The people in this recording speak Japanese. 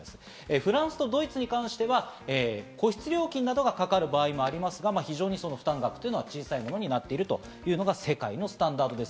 フランスとドイツに関しては、個室料金などがかかる場合もありますが、非常にその負担額が小さいということになっている、これが世界のスタンダードです。